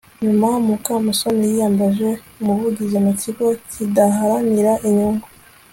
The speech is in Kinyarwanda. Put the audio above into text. nyuma mukamusoni yiyambaje umuvugizi mu kigo kidaharanira inyungu